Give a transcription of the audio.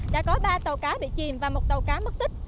đã có ba tàu cá bị chìm và một tàu cá mất tích